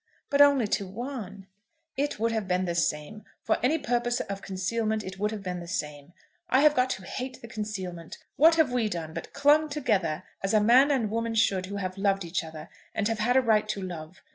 "But only to one." "It would have been the same. For any purpose of concealment it would have been the same. I have got to hate the concealment. What have we done but clung together as a man and woman should who have loved each other, and have had a right to love?